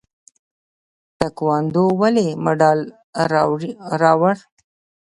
تکواندو ولې مډال راوړ؟